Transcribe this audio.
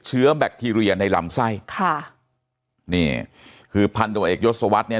แบคทีเรียในลำไส้ค่ะนี่คือพันตรวจเอกยศวรรษเนี่ย